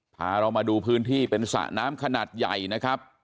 พาเรามาดูพื้นที่เป็นสระน้ำขนาดใหญ่นะครับ